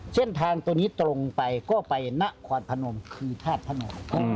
เช่นทางตรงไปก็ไปนะควัดพนมคือทาสพนม